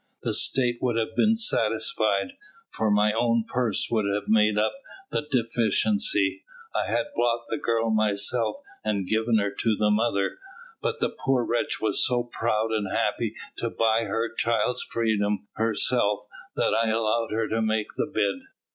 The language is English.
The State would have been satisfied, for my own purse would have made up the deficiency. I had bought the girl myself and given her to the mother, but the poor wretch was so proud and happy to buy her child's freedom herself, that I allowed her to make the bid.